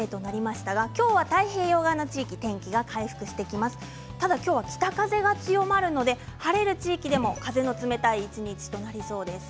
ただ今日は北風が強まるので晴れる地域でも風の冷たい一日となりそうです。